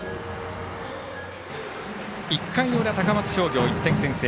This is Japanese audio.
１回の裏、高松商業１点先制。